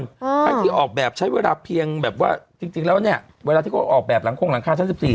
ทั้งที่ออกแบบใช้เวลาเพียงแบบว่าจริงแล้วเนี่ยเวลาที่เขาออกแบบหลังคงหลังคาชั้น๑๔